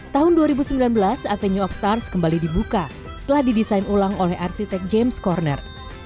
tahun dua ribu sembilan belas avenue of stars kembali dibuka setelah didesain ulang oleh arsitek james corner